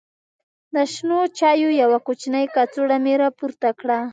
د شنو چایو یوه کوچنۍ کڅوړه مې راپورته کړه.